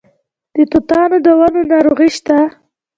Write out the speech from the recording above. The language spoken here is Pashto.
د توتانو د ونو ناروغي شته؟